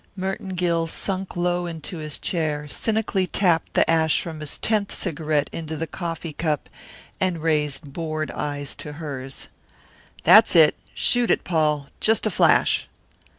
Merton Gill sunk low in his chair, cynically tapped the ash from his tenth cigarette into the coffee cup and raised bored eyes to hers. "That's it shoot it, Paul, just a flash."